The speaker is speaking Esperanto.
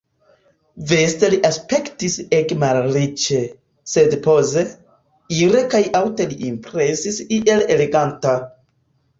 Veste li aspektis ege malriĉe, sed poze, ire kaj aŭte li impresis iel eleganta.